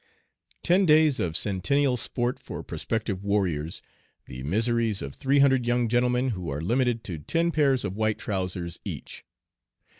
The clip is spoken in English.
Ten Days of Centennial Sport for Prospective Warriors The Miseries of three hundred Young Gentlemen who are limited to Ten Pairs of White Trousers each.